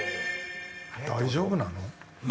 大丈夫なの？